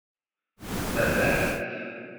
Let's dance.